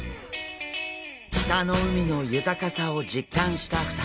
北の海の豊かさを実感した２人。